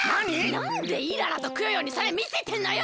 なんでイララとクヨヨにそれみせてんのよ！